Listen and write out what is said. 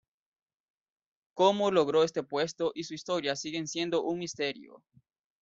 Cómo logró este puesto y su historia siguen siendo un misterio.